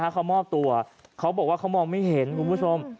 เขามอบตัวเขาบอกว่าเขามองไม่เห็นคุณผู้ชม